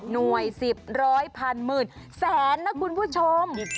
หน่วยสิบร้อยพันหมื่นแสนน่ะคุณผู้ชม